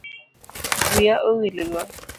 Wiya owil go